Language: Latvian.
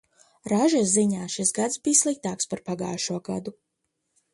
Ražas ziņā šis gads bij sliktāks par pagājušo gadu.